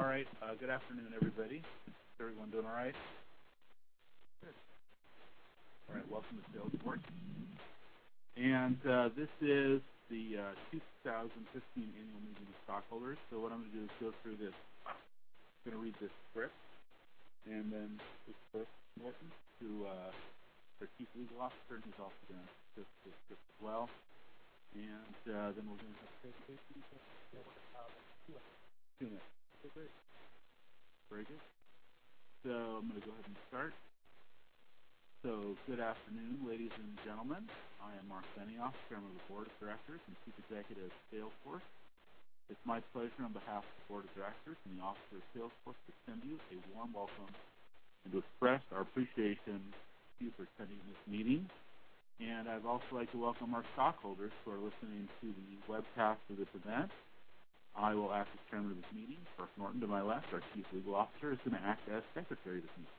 Good afternoon, everybody. Is everyone doing all right? Good. Welcome to Salesforce. This is the 2015 Annual Meeting of Stockholders. What I'm going to do is go through this. I'm going to read this script, then get Burke Norton, who, our Chief Legal Officer, and he's also going to read this script as well. Then we're going to have a presentation from Burke. Two minutes. Two minutes. Okay, great. Very good. I'm going to go ahead and start. Good afternoon, ladies and gentlemen. I am Marc Benioff, chairman of the board of directors and chief executive of Salesforce. It's my pleasure on behalf of the board of directors and the officers of Salesforce to extend to you a warm welcome and to express our appreciation to you for attending this meeting. I'd also like to welcome our stockholders who are listening to the webcast of this event. I will ask the chairman of this meeting, Burke Norton, to my left, our chief legal officer, is going to act as secretary this meeting.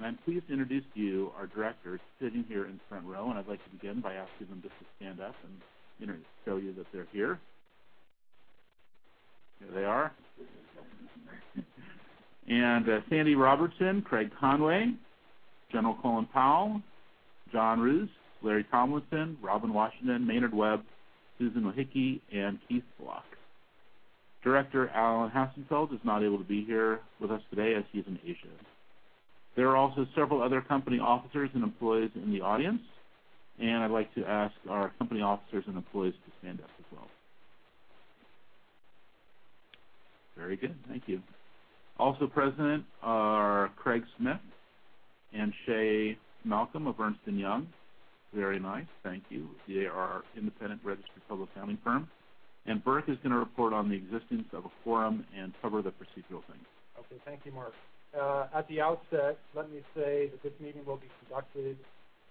I'm pleased to introduce to you our directors sitting here in the front row, and I'd like to begin by asking them just to stand up and show you that they're here. There they are. Sanford Robertson, Craig Conway, General Colin Powell, John Roos, Lawrence Tomlinson, Robin Washington, Maynard Webb, Susan Wojcicki, and Keith Block. Director Alan Hassenfeld is not able to be here with us today as he's in Asia. There are also several other company officers and employees in the audience. I'd like to ask our company officers and employees to stand up as well. Very good. Thank you. Also present are Craig Smith and Shay Malcolm of Ernst & Young. Very nice. Thank you. They are our independent registered public accounting firm. Burke is going to report on the existence of a quorum and cover the procedural things. Okay. Thank you, Marc. At the outset, let me say that this meeting will be conducted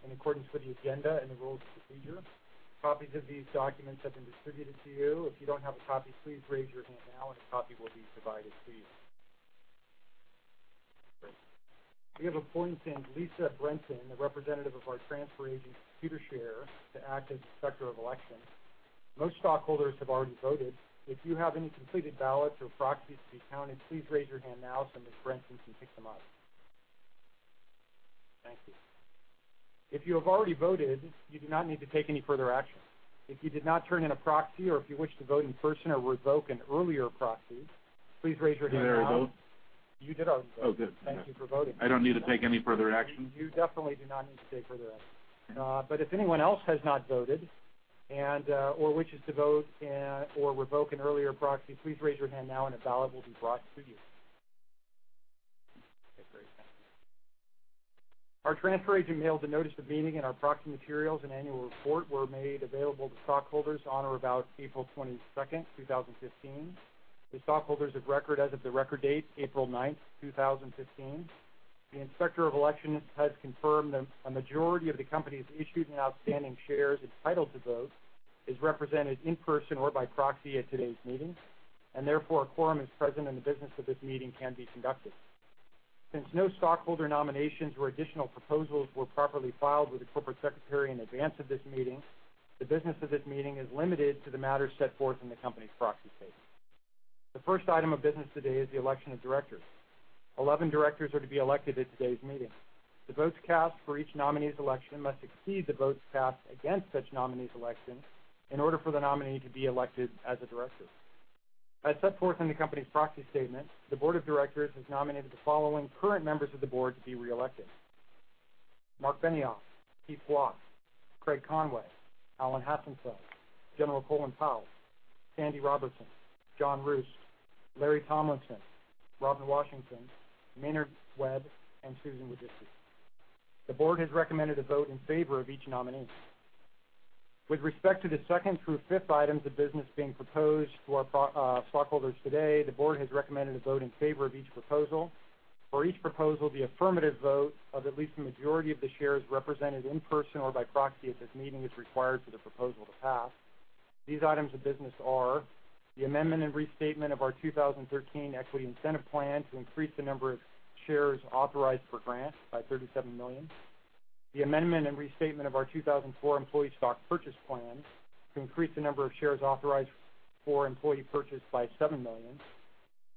in accordance with the agenda and the rules of procedure. Copies of these documents have been distributed to you. If you don't have a copy, please raise your hand now, and a copy will be provided to you. Great. We have appointed Ms. Lisa Brenton, a representative of our transfer agent, Computershare, to act as Inspector of Elections. Most stockholders have already voted. If you have any completed ballots or proxies to be counted, please raise your hand now so Ms. Brenton can pick them up. Thank you. If you have already voted, you do not need to take any further action. If you did not turn in a proxy, or if you wish to vote in person or revoke an earlier proxy, please raise your hand now. Did everybody vote? You did already vote. Oh, good. Okay. Thank you for voting. I don't need to take any further action? You definitely do not need to take further action. Okay. If anyone else has not voted, or wishes to vote, or revoke an earlier proxy, please raise your hand now, and a ballot will be brought to you. Okay, great. Thank you. Our transfer agent mailed a notice of meeting, and our proxy materials and annual report were made available to stockholders on or about April 22nd, 2015, the stockholders of record as of the record date, April 9th, 2015. The Inspector of Elections has confirmed that a majority of the company's issued and outstanding shares entitled to vote is represented in person or by proxy at today's meeting, therefore, a quorum is present, and the business of this meeting can be conducted. Since no stockholder nominations or additional proposals were properly filed with the corporate secretary in advance of this meeting, the business of this meeting is limited to the matters set forth in the company's proxy statement. The first item of business today is the election of directors. 11 directors are to be elected at today's meeting. The votes cast for each nominee's election must exceed the votes cast against such nominee's election in order for the nominee to be elected as a director. As set forth in the company's proxy statement, the board of directors has nominated the following current members of the board to be reelected: Marc Benioff, Keith Block, Craig Conway, Alan Hassenfeld, General Colin Powell, Sanford Robertson, John Roos, Lawrence Tomlinson, Robin Washington, Maynard Webb, and Susan Wojcicki. The board has recommended a vote in favor of each nominee. With respect to the second through fifth items of business being proposed to our stockholders today, the board has recommended a vote in favor of each proposal. For each proposal, the affirmative vote of at least a majority of the shares represented in person or by proxy at this meeting is required for the proposal to pass. These items of business are the amendment and restatement of our 2013 Equity Incentive Plan to increase the number of shares authorized per grant by 37 million, the amendment and restatement of our 2004 Employee Stock Purchase Plan to increase the number of shares authorized for employee purchase by seven million,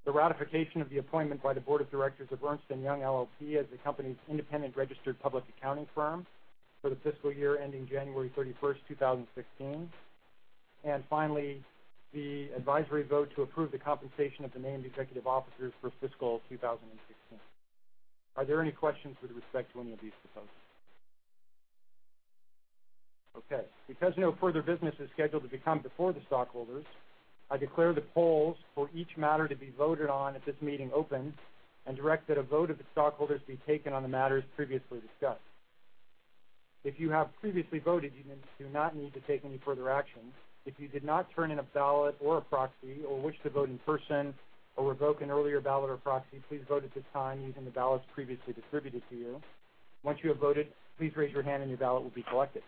the ratification of the appointment by the board of directors of Ernst & Young LLP as the company's independent registered public accounting firm for the fiscal year ending January 31st, 2016, and finally, the advisory vote to approve the compensation of the named executive officers for fiscal 2015. Are there any questions with respect to any of these proposals? Okay. Because no further business is scheduled to come before the stockholders, I declare the polls for each matter to be voted on at this meeting open and direct that a vote of the stockholders be taken on the matters previously discussed. If you have previously voted, you do not need to take any further action. If you did not turn in a ballot or a proxy or wish to vote in person or revoke an earlier ballot or proxy, please vote at this time using the ballots previously distributed to you. Once you have voted, please raise your hand, and your ballot will be collected.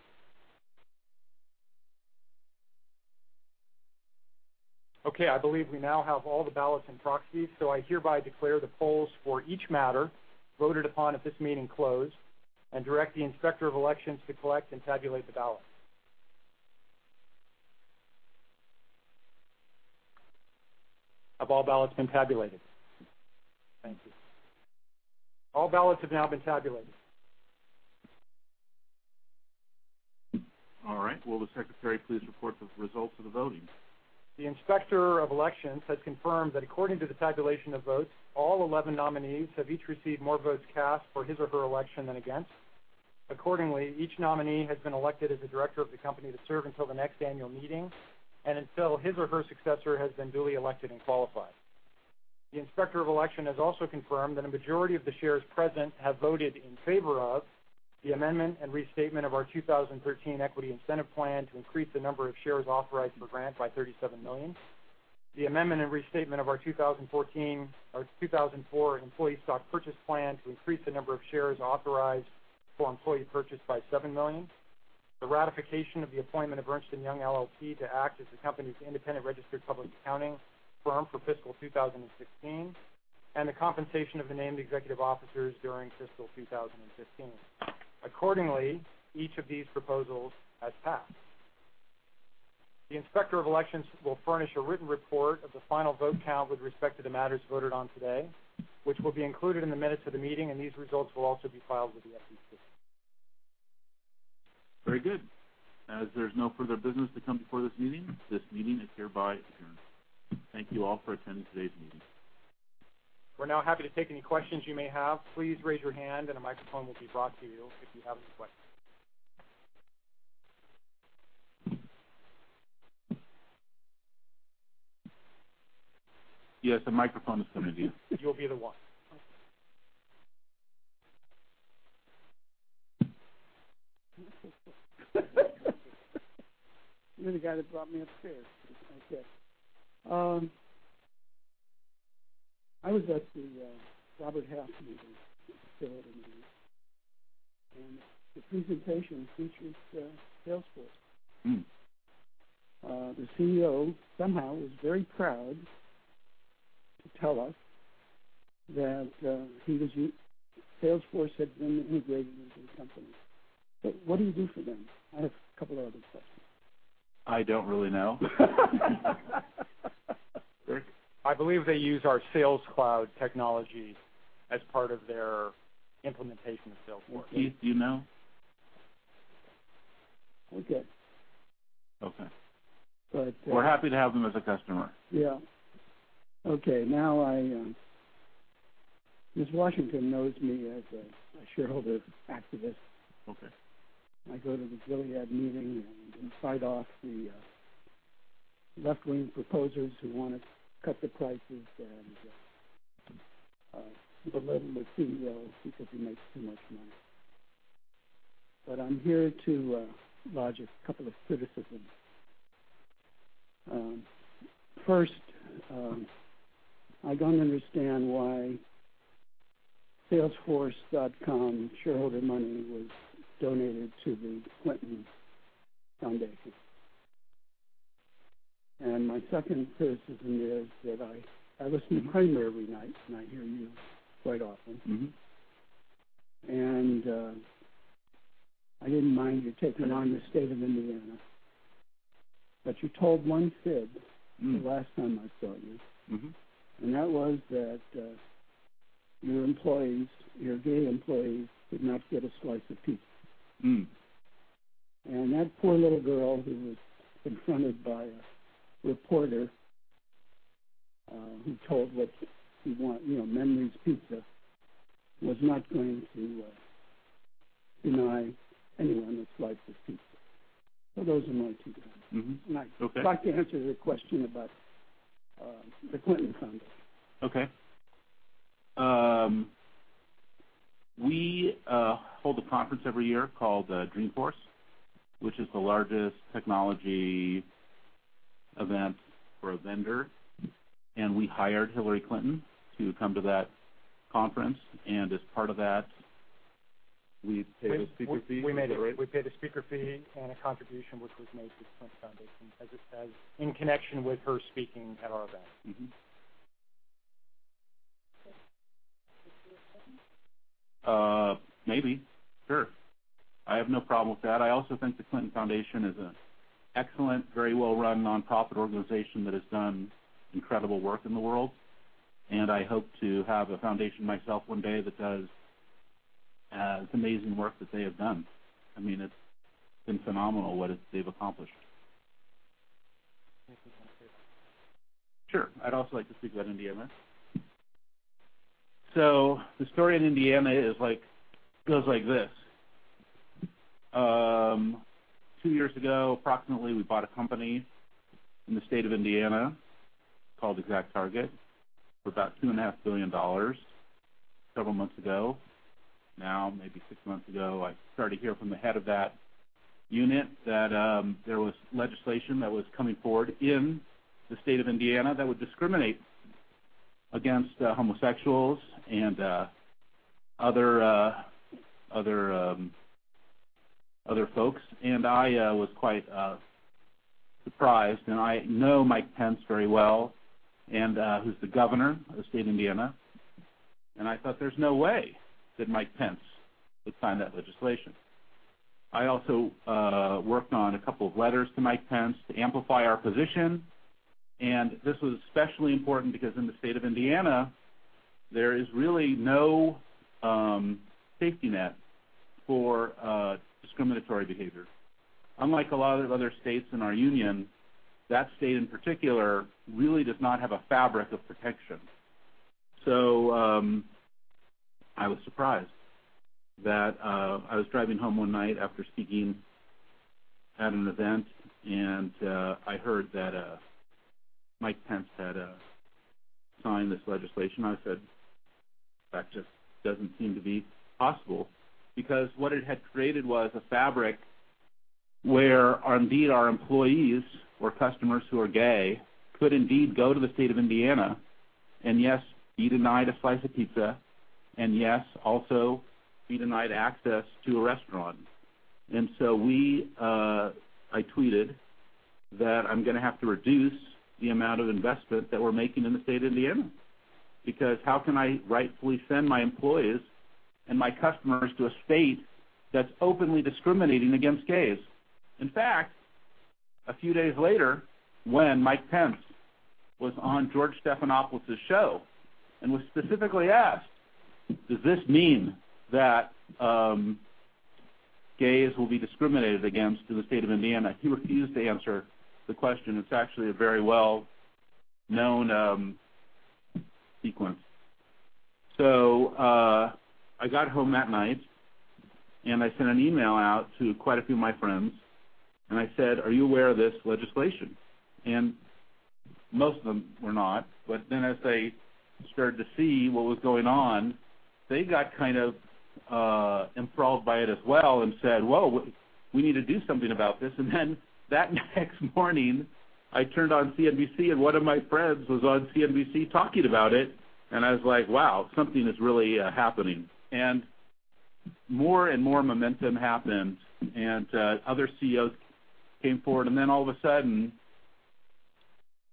Okay. I believe we now have all the ballots and proxies, so I hereby declare the polls for each matter voted upon at this meeting closed and direct the Inspector of Elections to collect and tabulate the ballots. Have all ballots been tabulated? Thank you. All ballots have now been tabulated. All right. Will the secretary please report the results of the voting? The Inspector of Elections has confirmed that according to the tabulation of votes, all 11 nominees have each received more votes cast for his or her election than against. Accordingly, each nominee has been elected as a director of the company to serve until the next annual meeting, and until his or her successor has been duly elected and qualified. The Inspector of Elections has also confirmed that a majority of the shares present have voted in favor of the amendment and restatement of our 2013 Equity Incentive Plan to increase the number of shares authorized per grant by 37 million, the amendment and restatement of our 2004 Employee Stock Purchase Plan to increase the number of shares authorized for employee purchase by seven million, the ratification of the appointment of Ernst & Young LLP to act as the company's independent registered public accounting firm for fiscal 2016, and the compensation of the named executive officers during fiscal 2015. Accordingly, each of these proposals has passed. The Inspector of Elections will furnish a written report of the final vote count with respect to the matters voted on today, which will be included in the minutes of the meeting, and these results will also be filed with the SEC. Very good. There's no further business to come before this meeting, this meeting is hereby adjourned. Thank you all for attending today's meeting. We're now happy to take any questions you may have. Please raise your hand and a microphone will be brought to you if you have any questions. Yes, a microphone is coming to you. You'll be the one. Okay. You're the guy that brought me upstairs, I guess. I was at the Robert Half meeting, the shareholder meeting. The presentation featured Salesforce. The CEO somehow was very proud to tell us that Salesforce had been integrated into his company. What do you do for them? I have a couple of other questions. I don't really know. Rick? I believe they use our Sales Cloud technology as part of their implementation of Salesforce. Keith, do you know? Okay. Okay. We're happy to have them as a customer. Yeah. Okay. Ms. Washington knows me as a shareholder activist. Okay. I go to the Gilead meeting and fight off the left-wing proposers who want to cut the prices and belittle the CEO because he makes too much money. I'm here to lodge a couple of criticisms. First, I don't understand why Salesforce.com shareholder money was donated to the Clinton Foundation. My second criticism is that I listen to [inaudible] every night, and I hear you quite often. I didn't mind you taking on the State of Indiana. You told one fib. The last time I saw you. That was that your gay employees would not get a slice of pizza. That poor little girl who was confronted by a reporter, who told Memories Pizza was not going to deny anyone a slice of pizza. Those are my two comments. Mm-hmm. Okay. I'd like you to answer the question about the Clinton Foundation. Okay. We hold a conference every year called Dreamforce, which is the largest technology event for a vendor. We hired Hillary Clinton to come to that conference. As part of that, we paid a speaker fee. Is that right? We paid a speaker fee and a contribution which was made to the Clinton Foundation, as it says, in connection with her speaking at our event. Will you speak again? Maybe. Sure. I have no problem with that. I also think the Clinton Foundation is an excellent, very well-run non-profit organization that has done incredible work in the world. I hope to have a foundation myself one day that does as amazing work that they have done. It's been phenomenal what they've accomplished. Thank you. Can I say something? Sure. I'd also like to speak about Indiana. The story in Indiana goes like this. Two years ago, approximately, we bought a company in the state of Indiana called ExactTarget for about $2.5 billion. Several months ago, maybe six months ago, I started to hear from the head of that unit that there was legislation that was coming forward in the state of Indiana that would discriminate against homosexuals and other folks. I was quite surprised. I know Mike Pence very well, who's the governor of the state of Indiana. I thought there's no way that Mike Pence would sign that legislation. I also worked on a couple of letters to Mike Pence to amplify our position. This was especially important because in the state of Indiana, there is really no safety net for discriminatory behavior. Unlike a lot of other states in our union, that state in particular really does not have a fabric of protection. I was surprised that I was driving home one night after speaking at an event. I heard that Mike Pence had signed this legislation. I said, "That just doesn't seem to be possible." Because what it had created was a fabric where indeed our employees or customers who are gay could indeed go to the state of Indiana and, yes, be denied a slice of pizza, yes, also be denied access to a restaurant. I tweeted that I'm going to have to reduce the amount of investment that we're making in the state of Indiana, because how can I rightfully send my employees and my customers to a state that's openly discriminating against gays? In fact, a few days later, when Mike Pence was on George Stephanopoulos's show and was specifically asked, "Does this mean that gays will be discriminated against in the state of Indiana?" He refused to answer the question. It's actually a very well-known sequence. I got home that night. I sent an email out to quite a few of my friends. I said, "Are you aware of this legislation?" Most of them were not. As they started to see what was going on, they got kind of enthralled by it as well. Said, "Whoa, we need to do something about this." That next morning, I turned on CNBC. One of my friends was on CNBC talking about it. I was like, "Wow, something is really happening." More and more momentum happened. Other CEOs came forward. All of a sudden,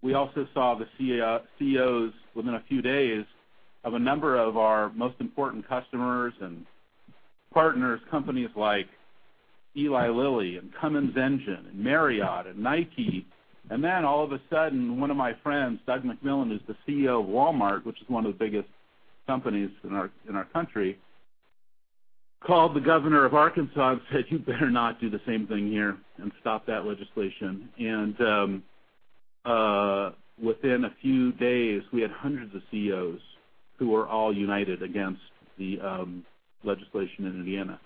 we also saw the CEOs, within a few days, of a number of our most important customers and partners, companies like Eli Lilly and Cummins Engine and Marriott and Nike. All of a sudden, one of my friends, Doug McMillon, who is the CEO of Walmart, which is one of the biggest companies in our country, called the governor of Arkansas and said, "You better not do the same thing here, and stop that legislation." Within a few days, we had hundreds of CEOs who were all united against the legislation in Indiana.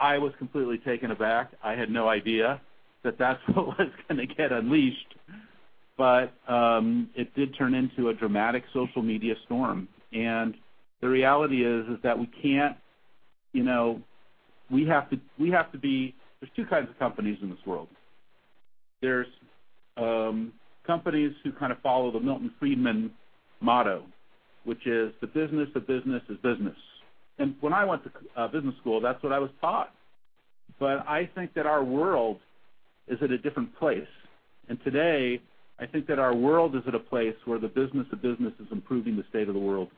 I was completely taken aback. I had no idea that that's what was going to get unleashed. It did turn into a dramatic social media storm. The reality is that there's two kinds of companies in this world. There's companies who kind of follow the Milton Friedman motto, which is the business of business is business. When I went to business school, that's what I was taught. I think that our world is at a different place. Today, I think that our world is at a place where the business of business is improving the state of the world.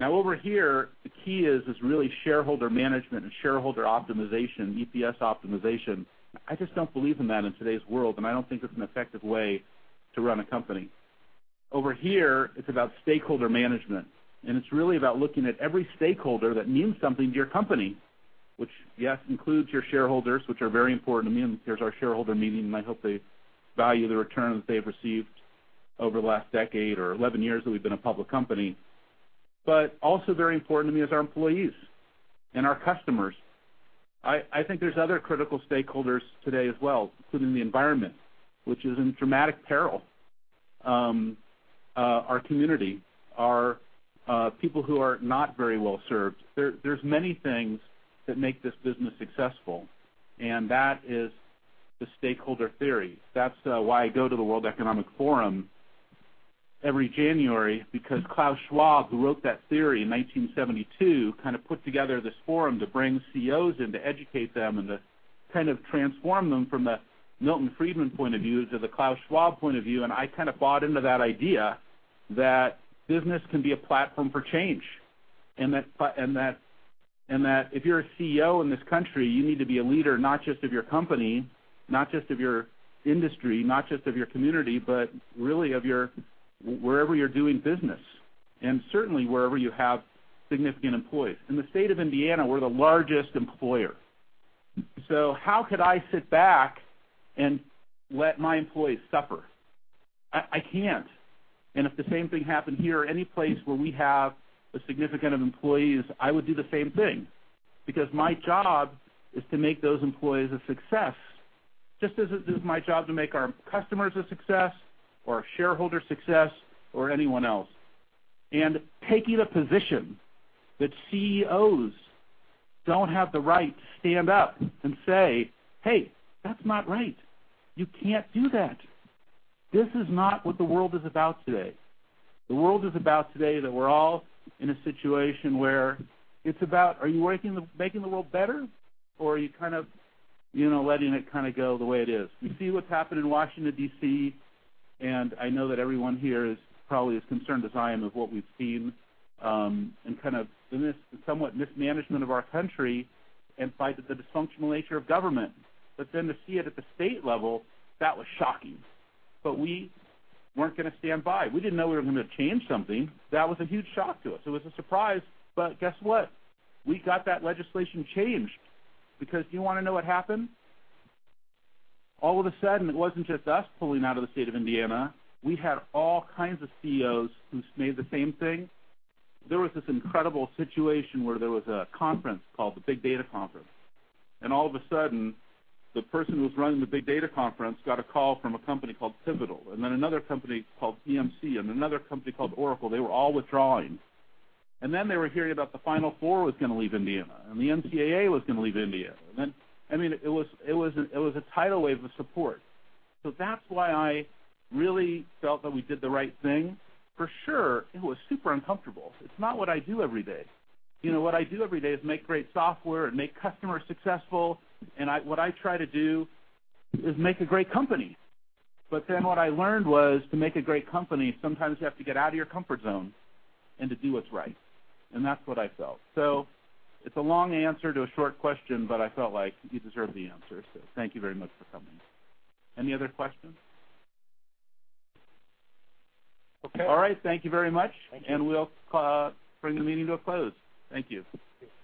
Now over here, the key is really shareholder management and shareholder optimization, EPS optimization. I just don't believe in that in today's world, and I don't think it's an effective way to run a company. Over here, it's about stakeholder management, and it's really about looking at every stakeholder that means something to your company, which, yes, includes your shareholders, which are very important to me. There's our shareholder meeting, and I hope they value the return that they've received over the last decade or 11 years that we've been a public company. Also very important to me is our employees and our customers. I think there's other critical stakeholders today as well, including the environment, which is in dramatic peril. Our community, our people who are not very well-served. There's many things that make this business successful, and that is the stakeholder theory. That's why I go to the World Economic Forum every January because Klaus Schwab, who wrote that theory in 1972, kind of put together this forum to bring CEOs in to educate them and to kind of transform them from the Milton Friedman point of view to the Klaus Schwab point of view. I kind of bought into that idea that business can be a platform for change, and that if you're a CEO in this country, you need to be a leader, not just of your company, not just of your industry, not just of your community, but really of wherever you're doing business. Certainly wherever you have significant employees. In the state of Indiana, we're the largest employer. How could I sit back and let my employees suffer? I can't. If the same thing happened here or any place where we have a significant of employees, I would do the same thing. My job is to make those employees a success, just as it is my job to make our customers a success or our shareholders success or anyone else. Taking a position that CEOs don't have the right to stand up and say, "Hey, that's not right. You can't do that." This is not what the world is about today. The world is about today that we're all in a situation where it's about are you making the world better or are you kind of letting it go the way it is? We see what's happened in Washington, D.C., I know that everyone here is probably as concerned as I am of what we've seen, and kind of the somewhat mismanagement of our country inside the dysfunctional nature of government. To see it at the state level, that was shocking. We weren't going to stand by. We didn't know we were going to change something. That was a huge shock to us. It was a surprise. Guess what? We got that legislation changed because you want to know what happened? All of a sudden, it wasn't just us pulling out of the state of Indiana. We had all kinds of CEOs who made the same thing. There was this incredible situation where there was a conference called the Big Data Conference. All of a sudden, the person who was running the Big Data Conference got a call from a company called Pivotal, another company called EMC, and another company called Oracle. They were all withdrawing. They were hearing about the Final Four was going to leave Indiana, and the NCAA was going to leave Indiana. I mean, it was a tidal wave of support. That's why I really felt that we did the right thing. For sure, it was super uncomfortable. It's not what I do every day. What I do every day is make great software and make customers successful, what I try to do is make a great company. What I learned was to make a great company, sometimes you have to get out of your comfort zone and to do what's right. That's what I felt. It's a long answer to a short question, I felt like you deserve the answer. Thank you very much for coming. Any other questions? Okay. All right. Thank you very much. Thank you. We'll bring the meeting to a close. Thank you. Thank you.